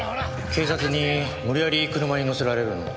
警察に無理やり車に乗せられるのを。